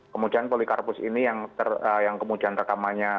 kemudian polikarpus ini yang kemudian rekamannya